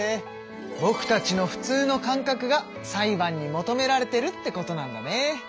ぼくたちのふつうの感覚が裁判に求められてるってことなんだね。